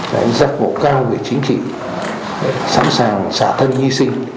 giác bộ cao về chính trị sẵn sàng xả thân nhi sinh